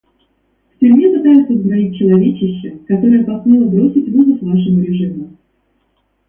В тюрьме пытаются сгноить человечище, которое посмело бросить вызов вашему режиму.